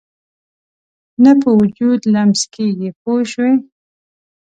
نه په وجود لمس کېږي پوه شوې!.